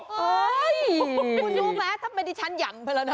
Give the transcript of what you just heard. เฮ้ยคุณรู้ไหมทำไมที่ฉันหย่ำไปแล้วนะ